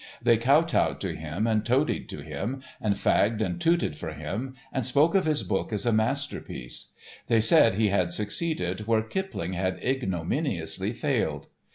They kotowed to him, and toadied to him, and fagged and tooted for him, and spoke of his book as a masterpiece. They said he had succeeded where Kipling had ignominiously failed.